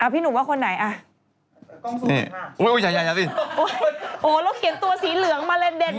พี่หนูว่าคนไหนอ่ะ